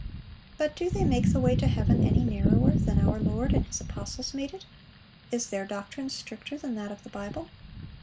But do they make the way to heaven any narrower than our Lord and His apostles made it? Is their doctrine stricter than that of the Bible?